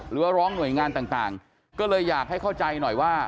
หรือว่าร้องหน่วยงานต่างก็เลยอยากให้เข้าใจหน่อยว่า